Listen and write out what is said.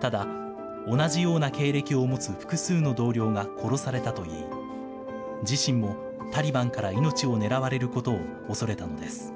ただ、同じような経歴を持つ複数の同僚が殺されたといい、自身もタリバンから命を狙われることを恐れたのです。